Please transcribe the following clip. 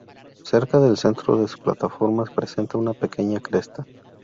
Cerca del centro de su plataforma presenta una pequeña cresta.